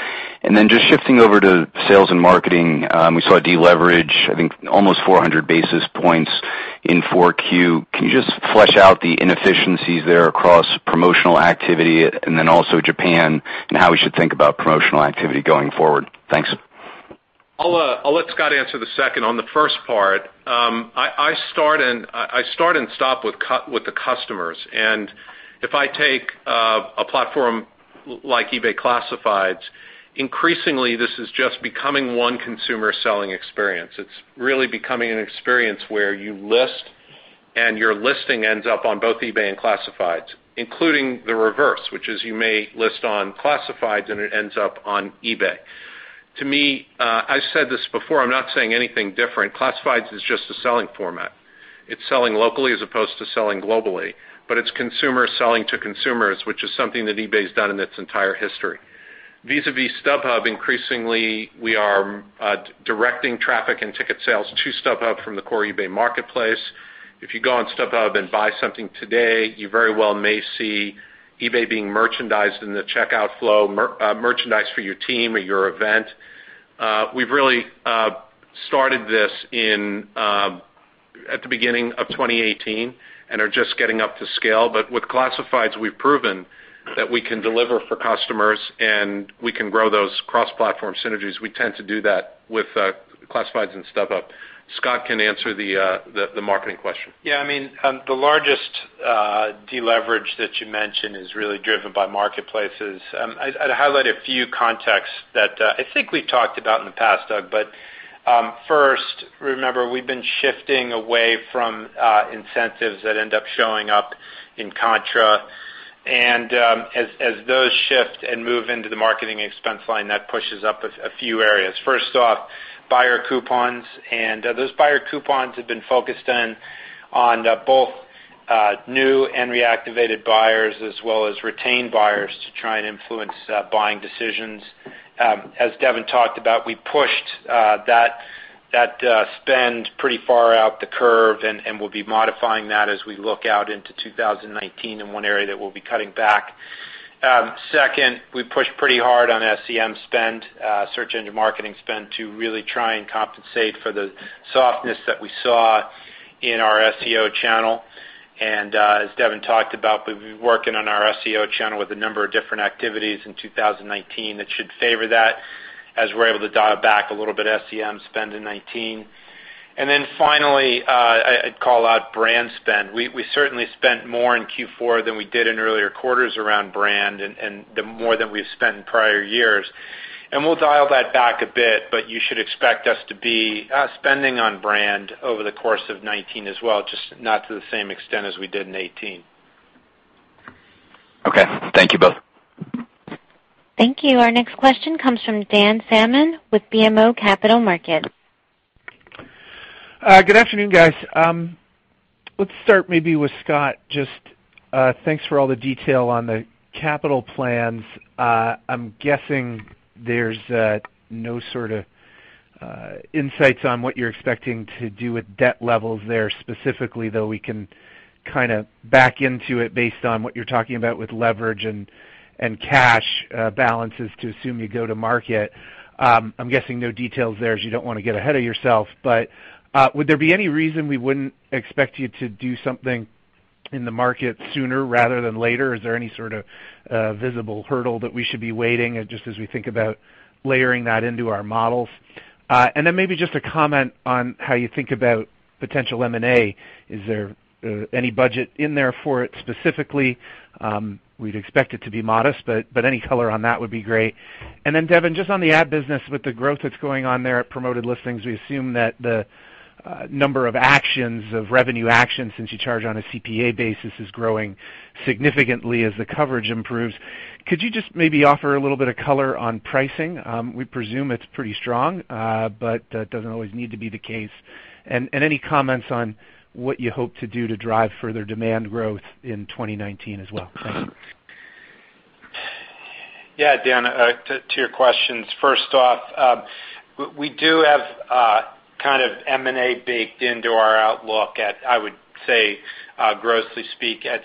Just shifting over to sales and marketing, we saw a deleverage, I think, almost 400 basis points in 4Q4. Can you just flesh out the inefficiencies there across promotional activity and then also Japan and how we should think about promotional activity going forward? Thanks. I'll let Scott answer the second. On the first part, I start and stop with the customers. If I take a platform like eBay Classifieds, increasingly this is just becoming one consumer selling experience. It's really becoming an experience where you list and your listing ends up on both eBay and Classifieds, including the reverse, which is you may list on Classifieds and it ends up on eBay. To me, I said this before, I'm not saying anything different. Classifieds is just a selling format. It's selling locally as opposed to selling globally, but it's consumers selling to consumers, which is something that eBay's done in its entire history. Vis-a-vis StubHub, increasingly, we are directing traffic and ticket sales to StubHub from the core eBay marketplace. If you go on StubHub and buy something today, you very well may see eBay being merchandised in the checkout flow, merchandise for your team or your event. We've really started this at the beginning of 2018 and are just getting up to scale. With Classifieds, we've proven that we can deliver for customers, and we can grow those cross-platform synergies. We tend to do that with Classifieds and StubHub. Scott can answer the marketing question. Yeah, the largest deleverage that you mentioned is really driven by marketplaces. I'd highlight a few contexts that I think we talked about in the past, Doug, first, remember, we've been shifting away from incentives that end up showing up in contra. As those shift and move into the marketing expense line, that pushes up a few areas. First off, buyer coupons. Those buyer coupons have been focused on both new and reactivated buyers as well as retained buyers to try and influence buying decisions. As Devin talked about, we pushed that spend pretty far out the curve, and we'll be modifying that as we look out into 2019 in one area that we'll be cutting back. Second, we pushed pretty hard on SEM spend, search engine marketing spend, to really try and compensate for the softness that we saw in our SEO channel. As Devin talked about, we've been working on our SEO channel with a number of different activities in 2019 that should favor that as we're able to dial back a little bit SEM spend in 2019. Finally, I'd call out brand spend. We certainly spent more in Q4 than we did in earlier quarters around brand and more than we've spent in prior years. We'll dial that back a bit, but you should expect us to be spending on brand over the course of 2019 as well, just not to the same extent as we did in 2018. Okay. Thank you both. Thank you. Our next question comes from Dan Salmon with BMO Capital Markets. Good afternoon, guys. Let's start maybe with Scott. Just thanks for all the detail on the capital plans. I'm guessing there's no sort of insights on what you're expecting to do with debt levels there specifically, though we can kind of back into it based on what you're talking about with leverage and cash balances to assume you go to market. I'm guessing no details there as you don't want to get ahead of yourself, but would there be any reason we wouldn't expect you to do something in the market sooner rather than later? Is there any sort of visible hurdle that we should be waiting just as we think about layering that into our models? Maybe just a comment on how you think about potential M&A. Is there any budget in there for it specifically? We'd expect it to be modest, any color on that would be great. Devin, just on the ad business, with the growth that's going on there at Promoted Listings, we assume that the number of actions, of revenue actions, since you charge on a CPA basis, is growing significantly as the coverage improves. Could you just maybe offer a little bit of color on pricing? We presume it's pretty strong, that doesn't always need to be the case. Any comments on what you hope to do to drive further demand growth in 2019 as well? Thanks. Yeah. Dan, to your questions. First off, we do have a kind of M&A baked into our outlook at, I would say, grossly speak at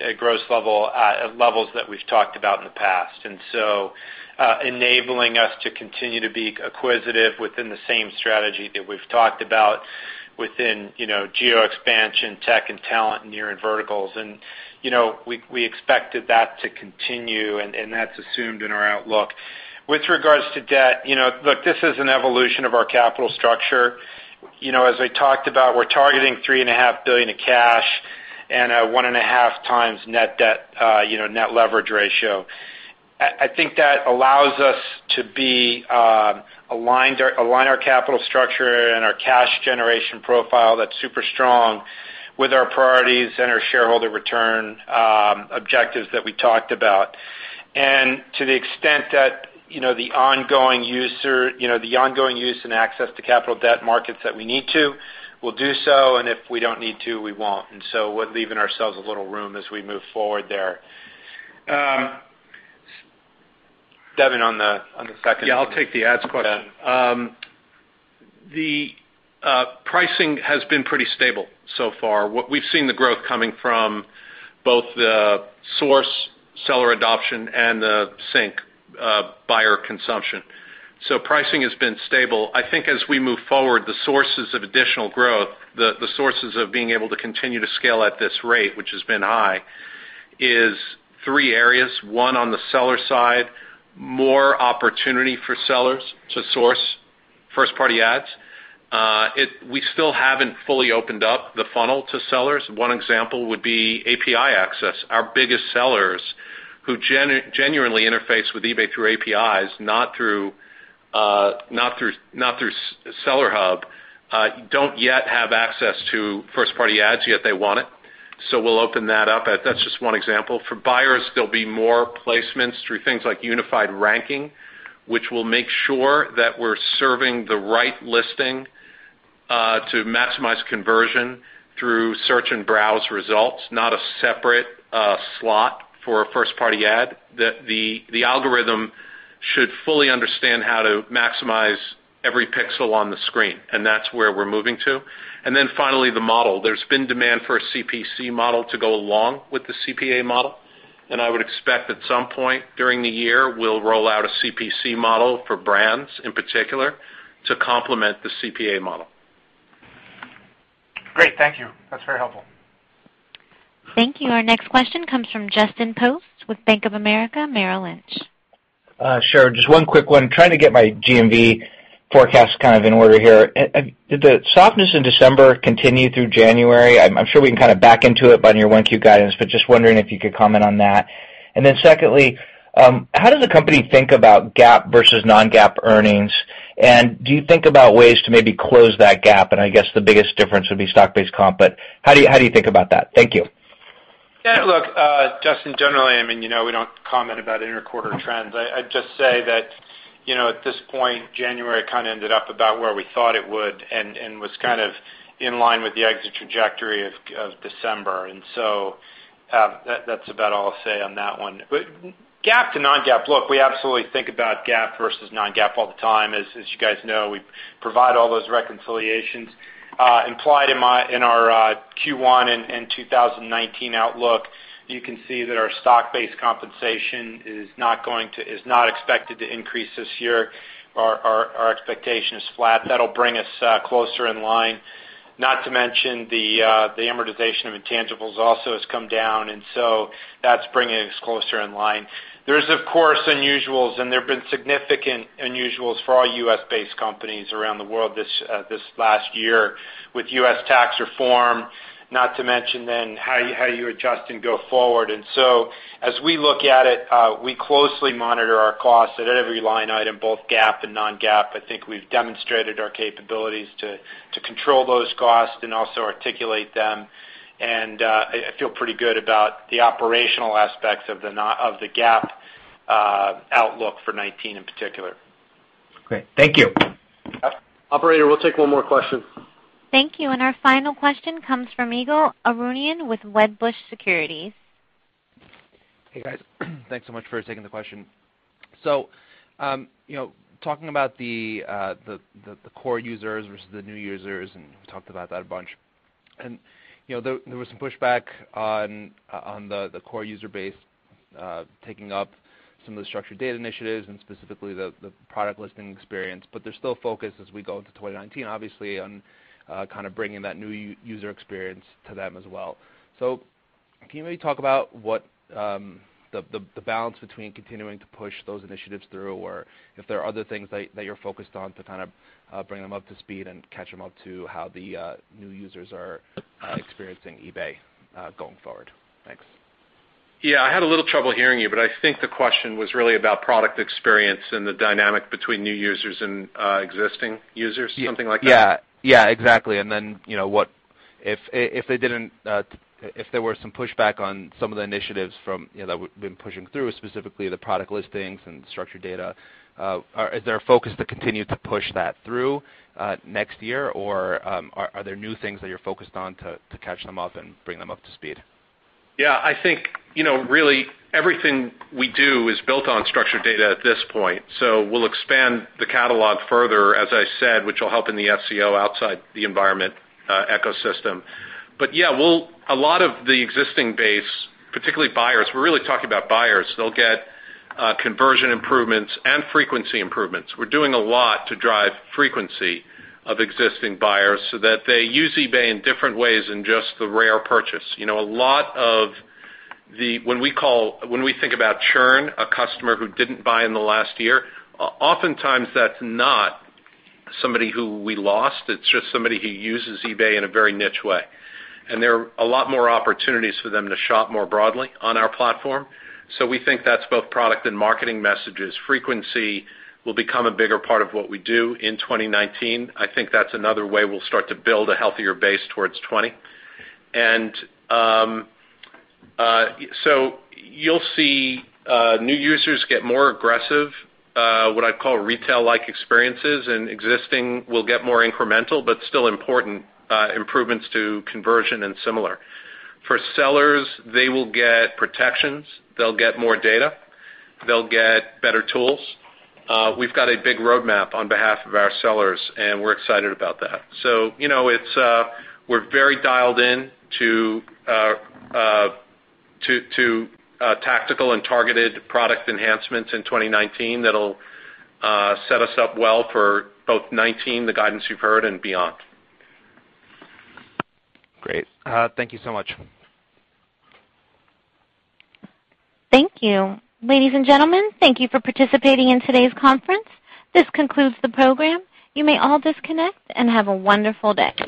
levels that we've talked about in the past. Enabling us to continue to be acquisitive within the same strategy that we've talked about within geo expansion, tech and talent, and year-end verticals. We expected that to continue, and that's assumed in our outlook. With regards to debt, look, this is an evolution of our capital structure. As I talked about, we're targeting $3.5 billion of cash and a one and a half times net debt, net leverage ratio. I think that allows us to align our capital structure and our cash generation profile that's super strong with our priorities and our shareholder return objectives that we talked about. To the extent that the ongoing use and access to capital debt markets that we need to, we'll do so and if we don't need to, we won't. We're leaving ourselves a little room as we move forward there. Devin, on the second- Yeah, I'll take the ads question. Yeah. The pricing has been pretty stable so far. What we've seen the growth coming from both the source seller adoption and the sync buyer consumption. Pricing has been stable. I think as we move forward, the sources of additional growth, the sources of being able to continue to scale at this rate, which has been high, is three areas. One on the seller side, more opportunity for sellers to source first-party ads. We still haven't fully opened up the funnel to sellers. One example would be API access. Our biggest sellers who genuinely interface with eBay through APIs, not through Seller Hub, don't yet have access to first-party ads yet they want it. We'll open that up. That's just one example. For buyers, there'll be more placements through things like unified ranking, which will make sure that we're serving the right listing to maximize conversion through search and browse results, not a separate slot for a first-party ad. The algorithm should fully understand how to maximize every pixel on the screen, that's where we're moving to. Then finally, the model. There's been demand for a CPC model to go along with the CPA model. I would expect at some point during the year, we'll roll out a CPC model for brands in particular to complement the CPA model. Great. Thank you. That's very helpful. Thank you. Our next question comes from Justin Post with Bank of America Merrill Lynch. Sure. Just one quick one. Trying to get my GMV forecast kind of in order here. Did the softness in December continue through January? I'm sure we can kind of back into it by your one Q guidance, but just wondering if you could comment on that. Secondly, how does the company think about GAAP versus non-GAAP earnings? Do you think about ways to maybe close that gap? I guess the biggest difference would be stock-based comp, but how do you think about that? Thank you. Look, Justin, generally, we don't comment about inter-quarter trends. I'd just say that, at this point, January kind of ended up about where we thought it would and was kind of in line with the exit trajectory of December. That's about all I'll say on that one. GAAP to non-GAAP, look, we absolutely think about GAAP versus non-GAAP all the time. As you guys know, we provide all those reconciliations implied in our Q1 and 2019 outlook. You can see that our stock-based compensation is not expected to increase this year. Our expectation is flat. That'll bring us closer in line. Not to mention the amortization of intangibles also has come down, and so that's bringing us closer in line. There's, of course, unusuals, and there have been significant unusuals for all U.S.-based companies around the world this last year with U.S. tax reform, not to mention then how you adjust and go forward. As we look at it, we closely monitor our costs at every line item, both GAAP and non-GAAP. I think we've demonstrated our capabilities to control those costs and also articulate them. I feel pretty good about the operational aspects of the GAAP outlook for 2019 in particular. Great. Thank you. Operator, we'll take one more question. Thank you. Our final question comes from Ygal Arounian with Wedbush Securities. Hey, guys. Thanks so much for taking the question. Talking about the core users versus the new users, and we've talked about that a bunch. There was some pushback on the core user base taking up some of the structured data initiatives, and specifically the product listing experience. There's still focus as we go into 2019, obviously, on kind of bringing that new user experience to them as well. Can you maybe talk about what the balance between continuing to push those initiatives through, or if there are other things that you're focused on to kind of bring them up to speed and catch them up to how the new users are experiencing eBay going forward? Thanks. Yeah. I had a little trouble hearing you, but I think the question was really about product experience and the dynamic between new users and existing users. Something like that? Yeah, exactly. If there were some pushback on some of the initiatives that we've been pushing through, specifically the product listings and structured data, is there a focus to continue to push that through next year? Are there new things that you're focused on to catch them up and bring them up to speed? Yeah, I think, really everything we do is built on structured data at this point, we'll expand the catalog further, as I said, which will help in the SEO outside the environment ecosystem. A lot of the existing base, particularly buyers, we're really talking about buyers. They'll get conversion improvements and frequency improvements. We're doing a lot to drive frequency of existing buyers so that they use eBay in different ways than just the rare purchase. A lot of when we think about churn, a customer who didn't buy in the last year, oftentimes that's not somebody who we lost. It's just somebody who uses eBay in a very niche way. There are a lot more opportunities for them to shop more broadly on our platform. We think that's both product and marketing messages. Frequency will become a bigger part of what we do in 2019. I think that's another way we'll start to build a healthier base towards 2020. You'll see new users get more aggressive, what I call retail-like experiences, and existing will get more incremental, but still important improvements to conversion and similar. For sellers, they will get protections, they'll get more data, they'll get better tools. We've got a big roadmap on behalf of our sellers, and we're excited about that. We're very dialed in to tactical and targeted product enhancements in 2019 that'll set us up well for both 2019, the guidance you've heard, and beyond. Great. Thank you so much. Thank you. Ladies and gentlemen, thank you for participating in today's conference. This concludes the program. You may all disconnect, and have a wonderful day.